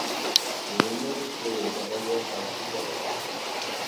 Bere oinarrizko osagaia kaltzita da.